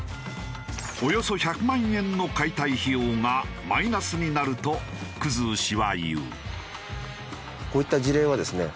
およそ１００万円の解体費用がマイナスになると生氏は言う。